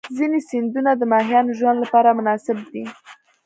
ځینې سیندونه د ماهیانو ژوند لپاره مناسب دي.